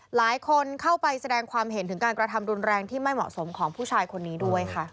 หลายคนเข้าไปแสดงความเห็นถึงการกระทำรุนแรงที่ไม่เหมาะสมของผู้ชายคนนี้ด้วยค่ะ